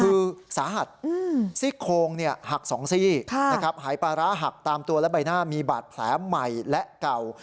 คือสาหัสซี่โคงหัก๒ซี่นะครับหายปลาร้าหักตามตัวและใบหน้ามีบาดแผลใหม่และเก่า